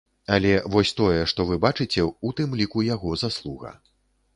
Але вось тое, што вы бачыце, у тым ліку яго заслуга.